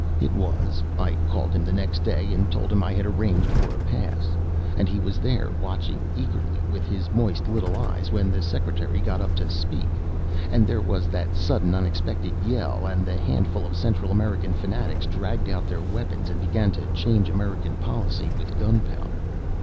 It was; I called him the next day and told him I had arranged for a pass. And he was there, watching eagerly with his moist little eyes, when the Secretary got up to speak and there was that sudden unexpected yell, and the handful of Central American fanatics dragged out their weapons and began trying to change American policy with gunpowder.